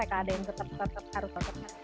ada yang tetap tetap harus